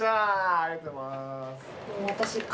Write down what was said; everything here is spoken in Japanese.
ありがとうございます。